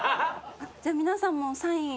じゃあ皆さんもサイン。